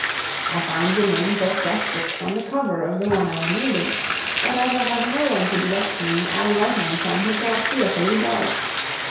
I find the names of fresh books on the cover of the one I am reading; but as I have no one to direct me, I light on some which are fearfully dull.